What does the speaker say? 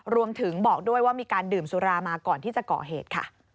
รวมถึงบอกด้วยว่ามีการดื่มสุรามาก่อนจะก่อเหตุ